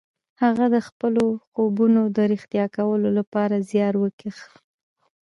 هغه د خپلو خوبونو د رښتيا کولو لپاره زيار وکيښ.